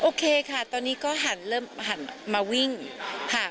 โอเคค่ะตอนนี้ก็หันมาวิ่งค่ะ